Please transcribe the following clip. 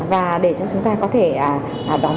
và để cho chúng ta có thể đoán